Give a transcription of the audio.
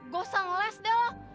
gak usah ngelas dah